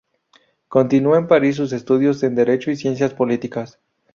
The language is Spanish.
Continúa en París sus estudios en Derecho y Ciencias Políticas.